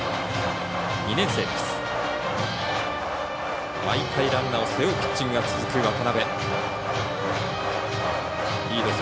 ２年生です。